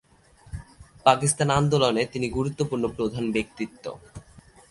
পাকিস্তান আন্দোলনে তিনি গুরুত্বপূর্ণ প্রধান ব্যক্তিত্ব।